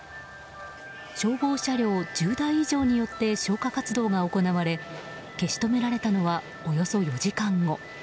消防車両１０台以上によって消火活動が行われ消し止められたのはおよそ４時間後。